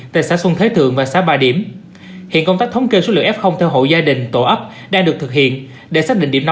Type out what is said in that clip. tại xã xuân thế thượng và xã bà điểm